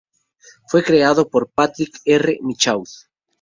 Fue creado por Patrick R. Michaud.